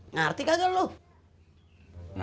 jadi ini dia jawabannya